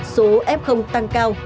số f tăng cao